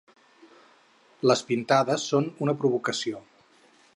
Les pintades són una provocació.